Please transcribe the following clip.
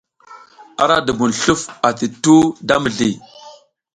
Ara dubun sluf ati tuhu da mizliy.